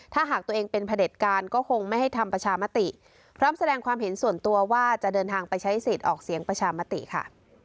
ถ้าหากตัวเองเป็นพระเด็จการก็คงไม่ให้ทำประชามติพร้อมแสดงความเห็นส่วนตัวว่าจะเดินทางไปใช้สิทธิ์ออกเสียงประชามติค่ะ